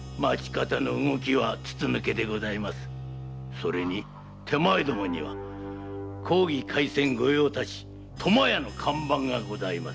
それに手前どもには「公儀廻船御用達苫屋」の看板がございます。